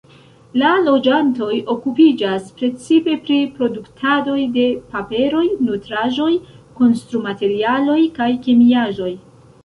La loĝantoj okupiĝas precipe pri produktadoj de paperoj, nutraĵoj, konstrumaterialoj kaj kemiaĵoj.